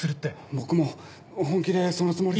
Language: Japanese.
僕も本気でそのつもりで。